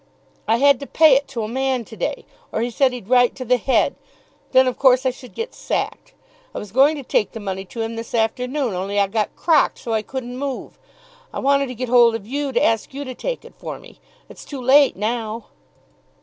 "I had to pay it to a man to day, or he said he'd write to the Head then of course I should get sacked. I was going to take the money to him this afternoon, only I got crocked, so I couldn't move. I wanted to get hold of you to ask you to take it for me it's too late now!"